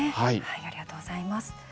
ありがとうございます。